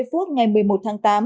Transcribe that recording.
cường nói rằng